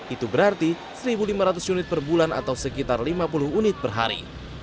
itu berarti satu lima ratus unit per bulan atau sekitar lima puluh unit per hari